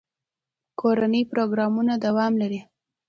کورني پروګرامونه دوام لري.